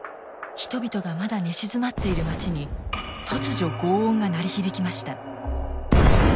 人々がまだ寝静まっている町に突如ごう音が鳴り響きました。